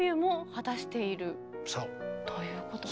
そう。ということで。